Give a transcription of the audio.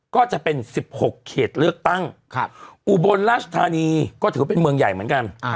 ก็จะเป็น๑๖เขตเลือกตั้งอุบลราชธานีก็ถือว่าเป็นเมืองใหญ่เหมือนกัน